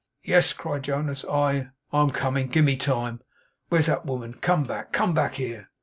'Yes,' cried Jonas, 'I I am coming. Give me time. Where's that woman! Come back; come back here.